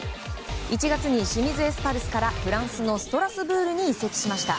１月に清水エスパルスからフランスのストラスブールに移籍しました。